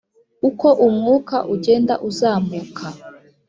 Uko umwuka ugenda uzamuka